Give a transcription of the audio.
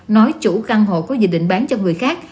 nói chủ căn hộ có dự định bán cho người khác